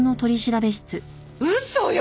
嘘よ